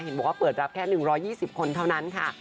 บอกว่าเปิดรับแค่๑๒๐คนเท่านั้นค่ะ